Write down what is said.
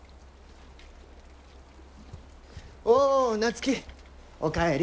おう夏樹お帰り。